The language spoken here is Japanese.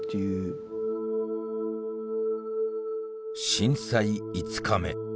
震災５日目。